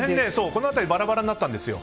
この辺りでバラバラになったんですよ。